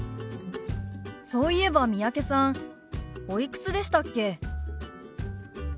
そういえば三宅さんおいくつでしたっけ？